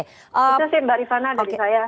itu sih mbak rifana dari saya